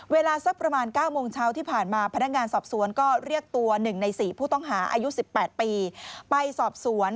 เวลาสักประมาณ๙โมงเช้าที่ผ่านมาพนักงานสอบสวนก็เรียกตัว๑ใน๔ผู้ต้องหาอายุ๑๘ปีไปสอบสวน